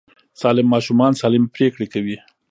سالم ماشومان سالمې پرېکړې کوي.